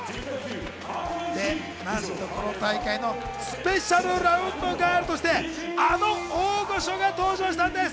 何とこの大会のスペシャルラウンドガールとしてあの大御所が登場したんです。